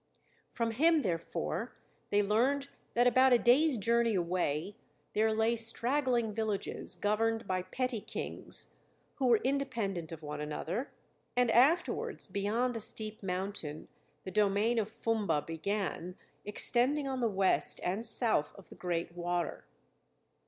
From him, therefore, they learned that about a day's journey away there lay straggling villages, governed by petty kings, who were independent of one another; and afterwards, beyond a steep mountain, the domain of Fumba began, extending on the west and south of the great water.